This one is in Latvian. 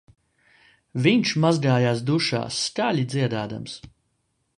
Viņš mazgājās dušā skaļi dziedādams